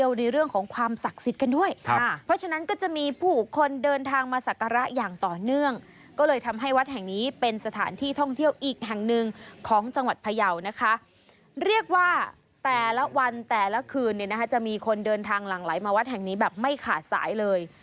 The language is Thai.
อย่างต่อเนื่องก็เลยทำให้วัดแห่งนี้เป็นสถานที่ท่องเที่ยวอีกแห่งหนึ่งของจังหวัดพยาวนะคะเรียกว่าแต่ละวันแต่ละคืนเนี่ยนะคะจะมีคนเดินทางหลังไหลมาวัดแห่งนี้แบบไม่ขาดสายเลย